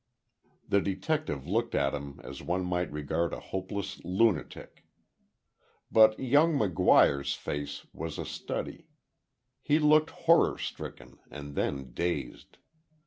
The detective looked at him as one might regard a hopeless lunatic. But young McGuire's face was a study. He looked horror stricken and then dazed.